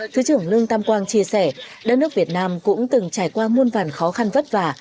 thứ trưởng lương tam quang chia sẻ đất nước việt nam cũng từng trải qua muôn vàn khó khăn vất vả